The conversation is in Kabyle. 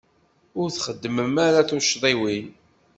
Ur txeddmem ara tuccḍiwin.